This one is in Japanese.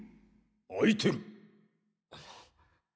開いてる。